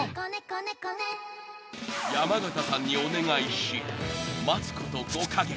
［山縣さんにお願いし］